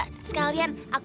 kita ke mal aja yuk